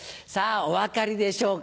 お分かりでしょうか？